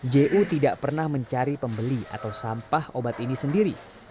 ju tidak pernah mencari pembeli atau sampah obat ini sendiri